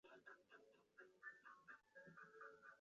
东汉云台二十八将之一。